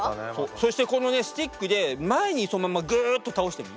そしてこのねスティックで前にそのままグッと倒してみ。